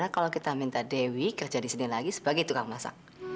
kalau kita minta dewi kerja di sini lagi sebagai tukang masak